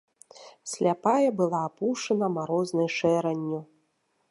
Сляпая была апушана марознай шэранню.